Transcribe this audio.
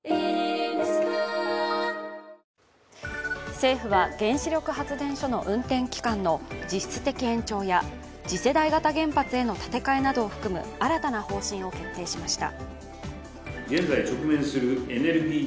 政府は原子力発電所の運転期間の実質的延長や次世代型原発への建て替えなどを含む新たな方針を決定しました。